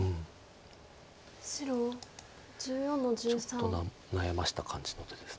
ちょっと悩ました感じの手です。